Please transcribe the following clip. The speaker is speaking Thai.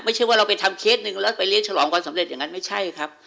ไม่ใช่ว่าเราไปทำเคสหนึ่งแล้วไปเลี้ยฉลองความสำเร็จอย่างนั้นไม่ใช่ครับ